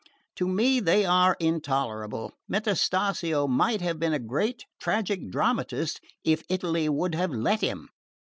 To me they are intolerable. Metastasio might have been a great tragic dramatist if Italy would have let him.